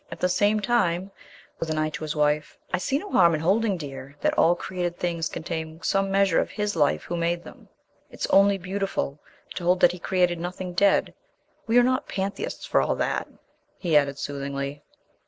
At the same time," with an eye to his wife, "I see no harm in holding, dear, that all created things contain some measure of His life Who made them. It's only beautiful to hold that He created nothing dead. We are not pantheists for all that!" he added soothingly.